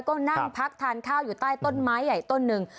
ก็นั่งพักทานข้าวอยู่ใต้ต้นไม้ใหญ่ต้นหนึ่ง